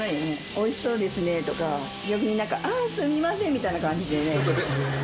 「美味しそうですね」とか逆になんか「ああすみません」みたいな感じでね。